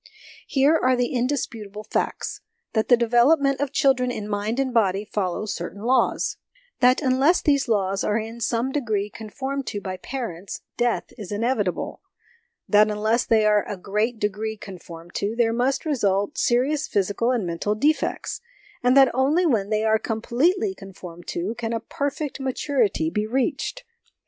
... Here are the indisputable facts : that the development of children in mind and body follows certain laws ; that unless these laws are in some 4 HOME EDUCATION degree conformed to by parents, death is inevitable ; that unless they are in a great degree conformed to, there must result serious physical and mental defects ; and that only when they are completely conformed to, can a perfect maturity be reached.